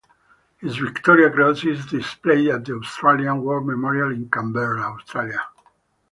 His Victoria Cross is displayed at the Australian War Memorial in Canberra, Australia.